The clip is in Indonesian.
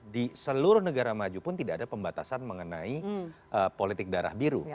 di seluruh negara maju pun tidak ada pembatasan mengenai politik darah biru